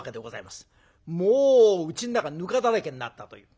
もううちの中ぬかだらけになったという。